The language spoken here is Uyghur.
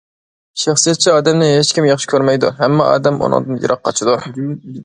شەخسىيەتچى ئادەمنى ھېچكىم ياخشى كۆرمەيدۇ، ھەممە ئادەم ئۇنىڭدىن يىراق قاچىدۇ.